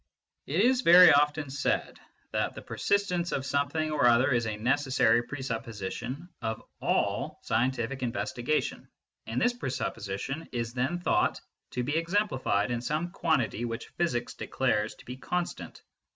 It is very often said that the persistence of something or other is a necessary presupposition of all scientific investigation, and this presupposition is then thought to be exemplified in some quantity which physics declares to be constant.